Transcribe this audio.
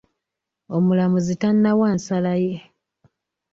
Omulamuzi tannawa nsala ye.